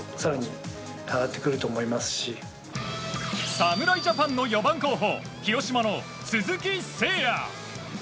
侍ジャパンの４番候補広島の鈴木誠也。